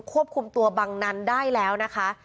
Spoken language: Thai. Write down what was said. ควบคุมตัวบังนั้นได้แล้วนะคะ